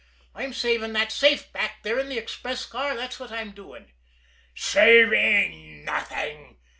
I'm saving that safe back there in the express car, that's what I'm doing." "Saving nothing!"